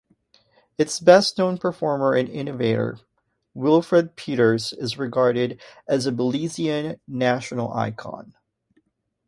Its best-known performer and innovator, Wilfred Peters is regarded as a Belizean national icon.